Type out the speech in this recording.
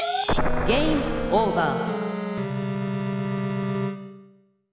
ゲームオーバー。